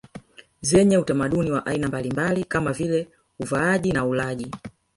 zenye utamaduni wa aina mbalimbali kama vile uvaaji na ulaji